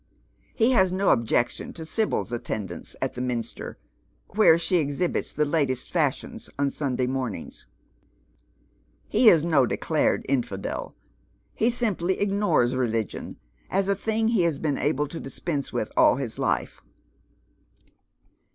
He has no objection to Sibyl's attendance at the minster, where she exhibits the latest fashions «n Sunday mornings. He is no declared iofidel. He simply Ignores religion, as a thing he has been able to dispense with all his life.